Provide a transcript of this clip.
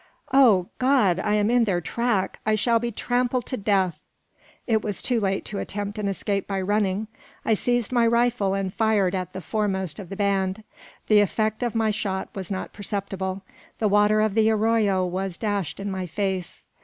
"Oh, God; I am in their track. I shall be trampled to death!" It was too late to attempt an escape by running. I seized my rifle and fired at the foremost of the band. The effect of my shot was not perceptible. The water of the arroyo was dashed in my face.